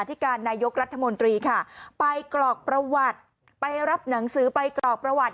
ที่การนายกรัฐมนตรีค่ะไปกรอกประวัติไปรับหนังสือไปกรอกประวัติ